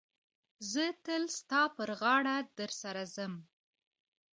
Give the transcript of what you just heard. زه تل ستا پر غاړه در سره ځم.